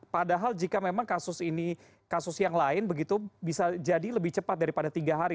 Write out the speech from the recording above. padahal jika memang kasus ini kasus yang lain begitu bisa jadi lebih cepat daripada tiga hari